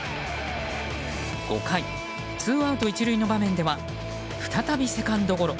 ５回、ツーアウト１塁の場面では再びセカンドゴロ。